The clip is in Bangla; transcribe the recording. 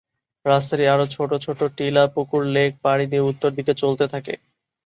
রাস্তাটি আরো ছোট ছোট টিলা, পুকুর, লেক পাড়ি দিয়ে উত্তর দিকে চলতে থাকে।